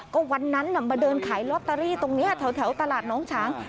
ก็วันนั้นมาเดินขายลอตเตอรี่ตรงนี้แถวตลาดน้องช้าง